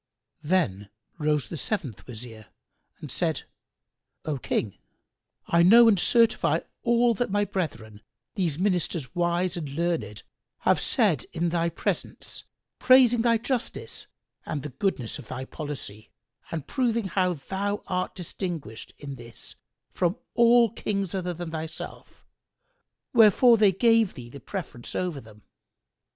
Then rose the seventh Wazir and said, "O King, I know and certify all that my brethren, these Ministers wise and learned, have said in the presence, praising thy justice and the goodness of thy policy and proving how thou art distinguished in this from all Kings other than thyself; wherefore they gave thee the preference over them.